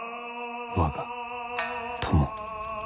我が友。